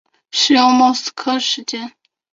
使用莫斯科时间。